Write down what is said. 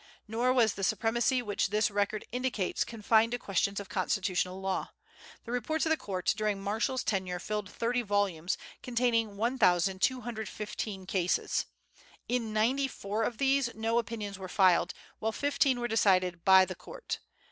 Nor was the supremacy which this record indicates confined to questions of constitutional law. The reports of the court during Marshall's tenure fill thirty volumes, containing 1,215 cases. In ninety four of these no opinions were filed, while fifteen were decided "by the court."